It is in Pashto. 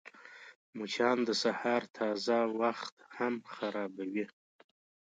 مچان د سهار تازه وخت هم خرابوي